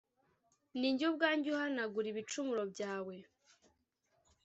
Ni jye ubwanjye uhanagura d ibicumuro byawe